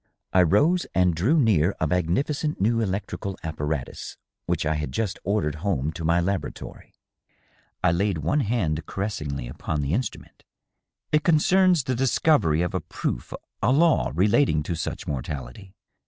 I rose and drew near a magnificent new electrical appa ratus which I had just ordered home to my laboratory. I laid one hand caressingly upon the instrument. " It concerns the discovery of a proof — ^a law — relating to such mortality."